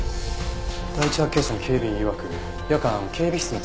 第一発見者の警備員いわく夜間警備室のチェックを受け